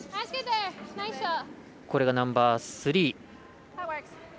これがナンバースリー。